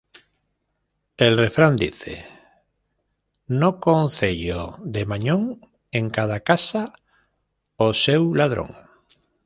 El refrán dice "No concello de Mañón en cada casa o seu ladrón".